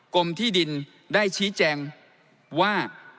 กรมที่ดินได้ชี้แจงว่า